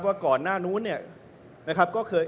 ว่าก่อนหน้านู้นเนี่ย